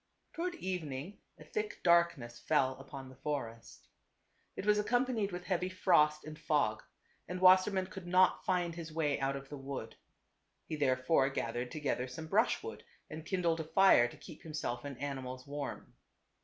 Toward evening a thick darkness fell upon the forest. It was ac companied with heavy frost and fog, and Wasser mann could not find his way out of the wood. He therefore gathered together some brushwood and kindled a fire to keep himself and animals warm.